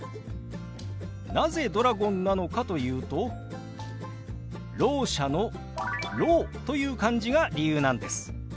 なぜドラゴンなのかというと聾者の「聾」という漢字が理由なんです。